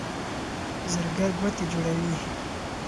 زرګر ګوتې جوړوي.